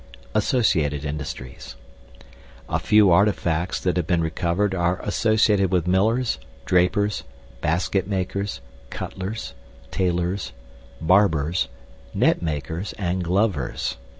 ASSOCIATED INDUSTRIES A few artifacts that have been recovered are associated with millers, drapers, basketmakers, cutlers, tailors, barbers, netmakers, and glovers.